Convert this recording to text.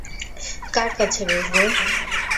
কার কাছে বেচবো?